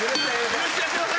許してやってください。